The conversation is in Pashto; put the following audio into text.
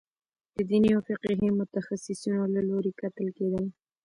د دیني او فقهي متخصصینو له لوري کتل کېدل.